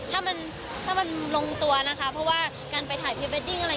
ถ้ามันลงตัวนะคะเพราะว่าการไปถ่ายพรีเวดดิ้ง